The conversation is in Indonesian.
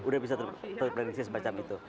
jadi bisa terprediksi seperti itu